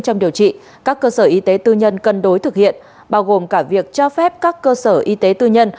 trong điều trị các cơ sở y tế tư nhân cân đối thực hiện bao gồm cả việc cho phép các cơ sở y tế tư nhân